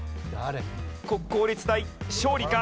国公立大勝利か？